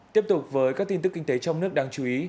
tiếp tục với các tin tức kinh tế trong nước đáng chú ý